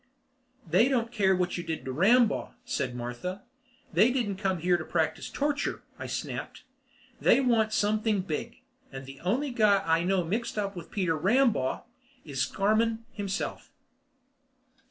"They don't care what you did to Rambaugh," said Martha. "They didn't come here to practice torture," I snapped. "They want something big. And the only guy I know mixed up with Peter Rambaugh is Scarmann, himself."